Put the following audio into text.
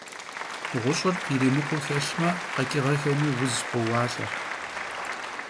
Ğuş'ır yirimıkhuu xelhme, kheç'ığemi vuz khoualh'e.